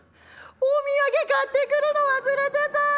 お土産買ってくるの忘れてた！」。